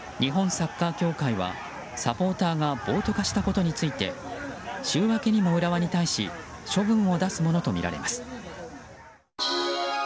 サッカー協会はサポーターが暴徒化したことについて週明けにも浦和に対して処分を出すものとみられます。